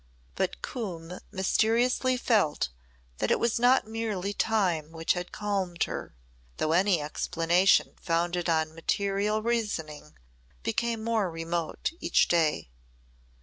'" But Coombe mysteriously felt that it was not merely time which had calmed her, though any explanation founded on material reasoning became more remote each day.